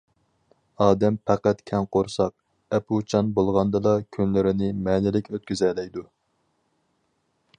ئادەم پەقەت كەڭ قورساق، ئەپۇچان بولغاندىلا كۈنلىرىنى مەنىلىك ئۆتكۈزەلەيدۇ.